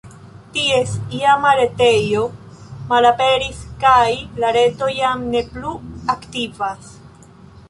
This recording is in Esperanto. Ties iama retejo malaperis kaj la reto jam ne plu aktivas.